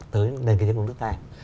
tới nền kinh tế của nước ta